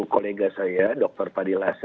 kolega saya dr fadil hasan